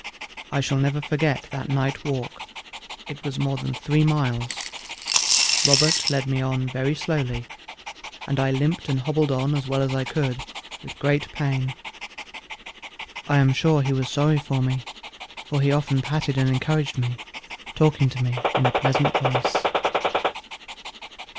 I shall never forget that night walk; it was more than three miles. Robert led me on very slowly, and I limped and hobbled on as well as I could with great pain. I am sure he was sorry for me, for he often patted and encouraged me, talking to me in a pleasant voice.